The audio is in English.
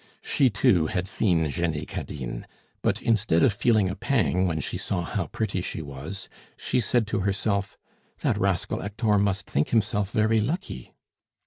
She too had seen Jenny Cadine; but instead of feeling a pang when she saw how pretty she was, she said to herself, "That rascal Hector must think himself very lucky."